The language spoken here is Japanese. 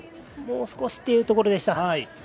もう少しってところでした。